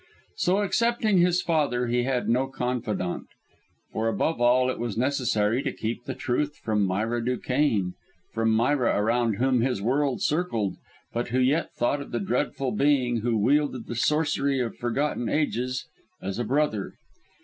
So, excepting his father, he had no confidant; for above all it was necessary to keep the truth from Myra Duquesne from Myra around whom his world circled, but who yet thought of the dreadful being who wielded the sorcery of forgotten ages, as a brother.